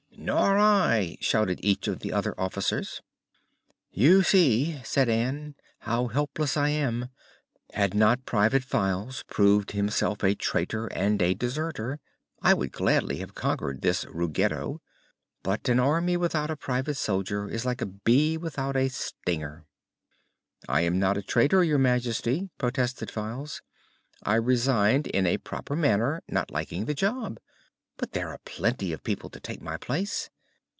"Nor I!" shouted each of the other officers. "You see," said Ann, "how helpless I am. Had not Private Files proved himself a traitor and a deserter, I would gladly have conquered this Ruggedo; but an Army without a private soldier is like a bee without a stinger." "I am not a traitor, Your Majesty," protested Files. "I resigned in a proper manner, not liking the job. But there are plenty of people to take my place.